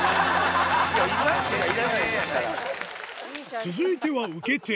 続いては受け手。